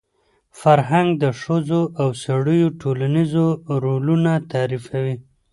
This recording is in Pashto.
فرهنګ د ښځو او سړیو ټولنیز رولونه تعریفوي.